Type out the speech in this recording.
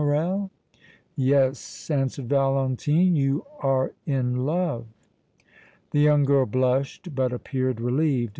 Morrel?" "Yes," answered Valentine. "You are in love!" The young girl blushed, but appeared relieved.